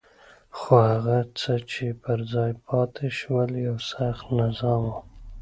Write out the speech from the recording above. خو هغه څه چې پر ځای پاتې شول یو سخت نظام وو.